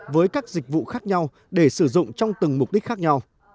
với các dịch vụ khác nhau để sử dụng trong từng mục đích khác nhau